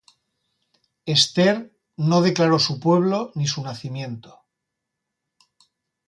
Esther no declaró su pueblo ni su nacimiento;